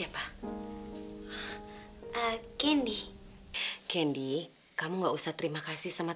tante aku gak mau